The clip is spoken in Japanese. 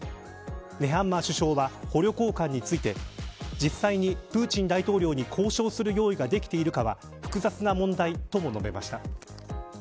ネハンマー首相は捕虜交換について実際に、プーチン大統領に交渉する用意ができているかは複雑な問題とも述べました。